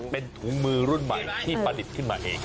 เป็นถุงมือรุ่นใหม่ที่ประดิษฐ์ขึ้นมาเอง